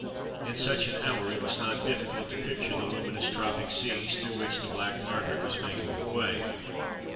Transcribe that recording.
In such an hour it was not difficult to picture the luminous tropic seas through which the Black Margaret was making her way.